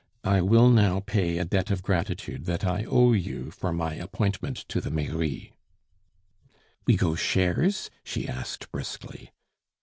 "I will now pay a debt of gratitude that I owe you for my appointment to the mairie " "We go shares?" she asked briskly.